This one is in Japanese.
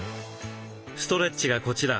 ストレッチがこちら。